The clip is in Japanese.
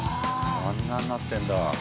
あんなんなってるんだ。